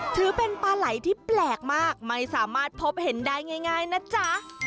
ถือเป็นปลาไหล่ที่แปลกมากไม่สามารถพบเห็นได้ง่ายนะจ๊ะ